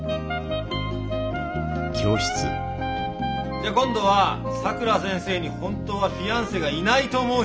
じゃあ今度はさくら先生に本当はフィアンセがいないと思う人手ぇ挙げて。